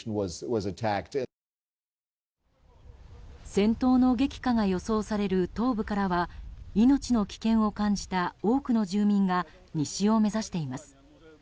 戦闘の激化が予想される東部からは命の危険を感じた多くの住民が西を目指しています。